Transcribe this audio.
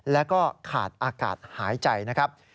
แล้วก็ขาดอากาศหายใจนะครับ